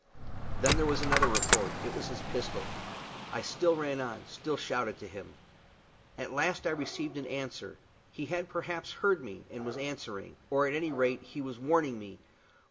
Then there was another report; it was his pistol. I still ran on, and still shouted to him. At last I received an answer. He had perhaps heard me, and was answering, or, at any rate, he was warning me.